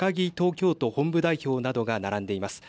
京都本部代表などが並んでいます。